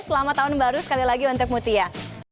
selamat tahun baru sekali lagi untuk mutia